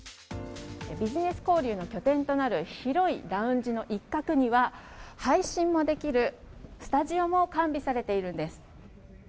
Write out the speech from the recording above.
ビジネス交流の拠点となる広いラウンジの一角には配信もできるスタジオも完備されているんです。